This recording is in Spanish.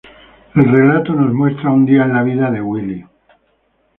El relato nos muestra un día en la vida de Willie.